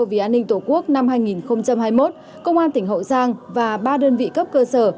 vì an ninh tổ quốc năm hai nghìn hai mươi một công an tỉnh hậu giang và ba đơn vị cấp cơ sở